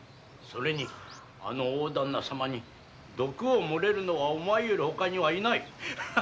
それにあの大旦那様に毒を盛れるのはお前しかいない。